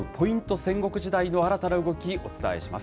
戦国時代の新たな動き、お伝えします。